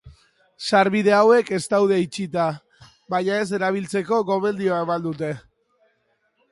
Sarbide hauek ez daude itxita, baina ez erabiltzeko gomendioa eman dute.